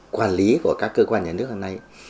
quản lý của các cơ quan nhà nước hôm nay